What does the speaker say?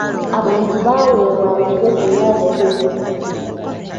Abantu baawebwa amagezi n'obukugu.